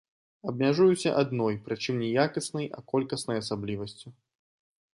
Абмяжуюся адной, прычым не якаснай, а колькаснай асаблівасцю.